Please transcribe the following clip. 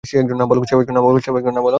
সে একজন নাবালক।